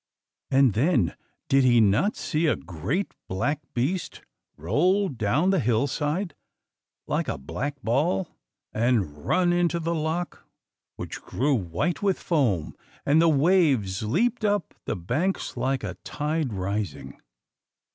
And then did he not see a great black beast roll down the hillside, like a black ball, and run into the loch, which grew white with foam, and the waves leaped up the banks like a tide rising?